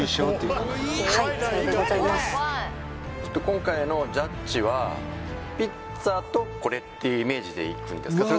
今回のジャッジはピッツァとこれっていうイメージでいくんですか？